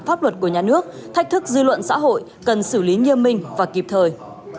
pháp luật của nhà nước thách thức dư luận xã hội cần xử lý nghiêm minh và kịp thời